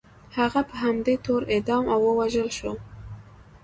هغه په همدې تور اعدام او ووژل شو.